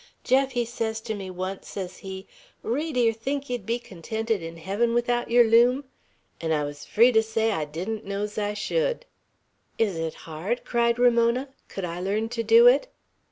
Jeff, he sez to me once, sez he, 'Ri, do yer think yer'd be contented in heaven without yer loom?' an' I was free to say I didn't know's I should." "Is it hard?" cried Ramona. "Could I learn to do it?"